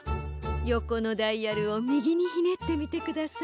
よこのダイヤルをみぎにひねってみてください。